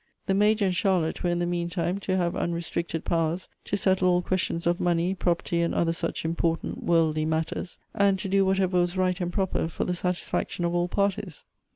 The Major and Charlotte were in the meantime to have unrestricted powers to settle all questions of money, property, and other such important worldly matters ; and to do what ever was right and proper for the satisfaction of all par ties.